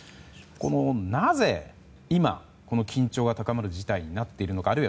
このなぜ今、緊張が高まる事態になっているのか。